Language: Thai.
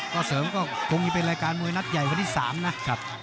ก็เสริมก็คงจะเป็นรายการมวยนัดใหญ่วันที่๓นะครับ